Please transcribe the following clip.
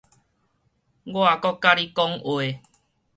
我顧佮你講話